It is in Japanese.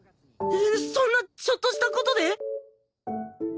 そんなちょっとした事で！？